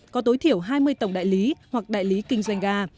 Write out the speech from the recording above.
có tối thiểu hai mươi tổng đại lý hoặc đại lý kinh doanh ga